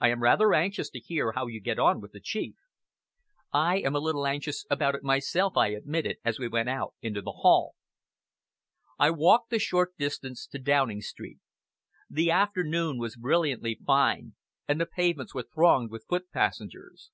"I am rather anxious to hear how you get on with the chief." "I am a little anxious about it myself," I admitted, as we went out into the hall. I walked the short distance to Downing Street. The afternoon was brilliantly fine, and the pavements were thronged with foot passengers.